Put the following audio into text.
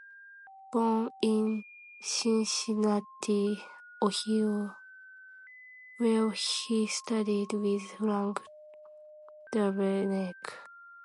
Born in Cincinnati, Ohio, where he studied with Frank Duveneck.